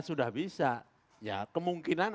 sudah bisa ya kemungkinan